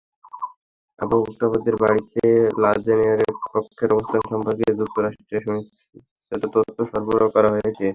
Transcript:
অ্যাবোটাবাদের বাড়িতে লাদেনের কক্ষের অবস্থান সম্পর্কে যুক্তরাষ্ট্রকে সুনিশ্চিত তথ্য সরবরাহ করা হয়েছে।